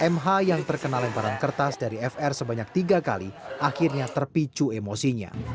mh yang terkena lemparan kertas dari fr sebanyak tiga kali akhirnya terpicu emosinya